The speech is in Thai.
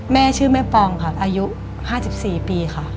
แม่ชื่อแม่ปองค่ะอายุ๕๔ปีค่ะ